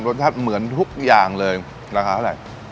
รสชาติเหมือนทุกอย่างเลยราคาเท่าไหร่